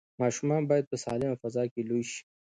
ماشومان باید په سالمه فضا کې لوی شي.